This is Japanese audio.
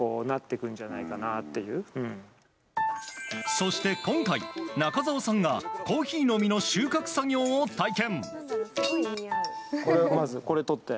そして今回、中澤さんがコーヒーの実の収穫作業を体験。